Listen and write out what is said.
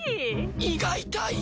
胃が痛い。